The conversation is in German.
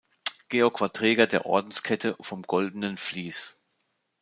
Georg war Träger der Ordenskette vom Goldenen Vlies.